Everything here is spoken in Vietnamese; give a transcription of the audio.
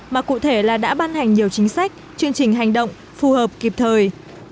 mà cụ thể là đã ban hành nhiều chính sách chương trình hành động phù hợp kịp thời